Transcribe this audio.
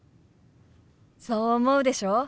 そう思うでしょ？